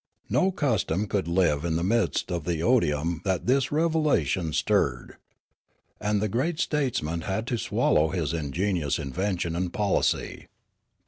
No custom could live in the midst of the odium that this revelation stirred. And the great statesman had to swallow his ingenious invention and policy.